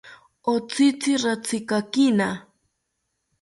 Otzitzi ratzikakina